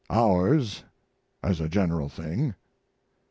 (Ours as a general thing.)